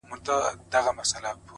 زما د تصور لاس گراني ستا پر ځنگانه.!